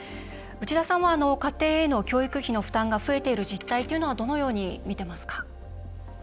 内田さんは家庭への教育費の負担が増えている実態というのはどのように見てますか？